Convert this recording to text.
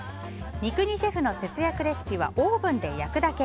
シェフの節約レシピはオーブンで焼くだけ。